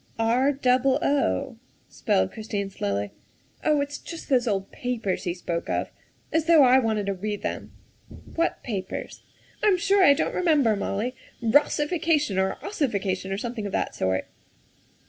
" R double o," spelled Christine slowly. " Oh, it's just those old papers he spoke of. As though I wanted to read them." " What papers?" "I'm sure I don't remember, Molly. Rossification or ossification or something of that sort."